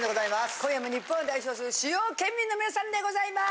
今夜も日本を代表する主要県民の皆さんでございます。